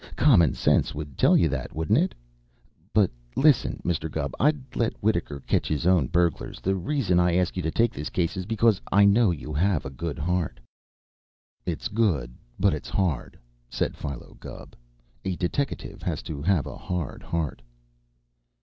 "Common sense would tell you that, wouldn't it? But, listen, Mr. Gubb: I'd let Wittaker catch his own burglars. The reason I ask you to take this case is because I know you have a good heart." "It's good, but it's hard," said Philo Gubb. "A deteckative has to have a hard heart."